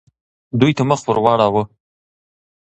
دوی ته مخ ورواړوه.